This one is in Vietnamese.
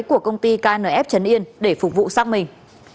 của công ty knf trấn yên để phục vụ sắc mình